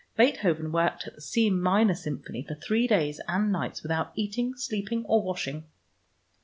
Beethoven worked at the C minor Symphony for three days and nights without eating, sleeping, or washing."